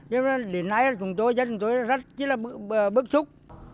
nên là đến nay chúng tôi dân chúng tôi rất là bức xúc